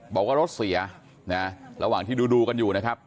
บอกว่ารถเสียนะระหว่างที่ดูกันอยู่นะครับ